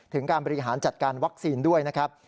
การบริหารจัดการวัคซีนด้วยนะครับ